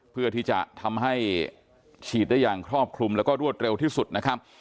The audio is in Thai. เพื่อที่จะทำให้ฉีดได้อย่างครอบคลุมแล้วก็รวดเร็วที่สุดนะครับ